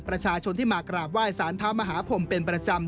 ประชาชนที่มากราบไหว้สารเท้ามหาพรมเป็นประจำ